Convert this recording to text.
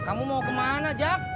kamu mau kemana jack